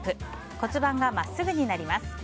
骨盤が真っすぐになります。